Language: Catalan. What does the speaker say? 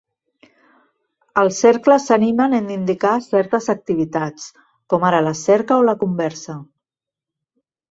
Els cercles s'animen en indicar certes activitats com ara la cerca o la conversa.